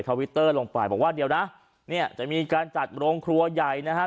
วิตเตอร์ลงไปบอกว่าเดี๋ยวนะเนี่ยจะมีการจัดโรงครัวใหญ่นะฮะ